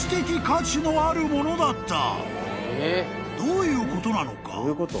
［どういうことなのか？］